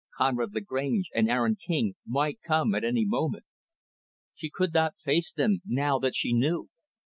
Conrad Lagrange and Aaron King might come at any moment. She could not face them; now that she knew.